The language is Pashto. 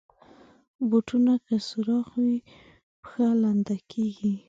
بوټونه که سوراخ وي، پښه لنده کېږي.